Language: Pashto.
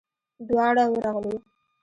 دواړه ورغلو.